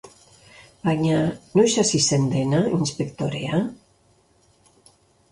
Baina, noiz hasi zen dena, inspektorea?.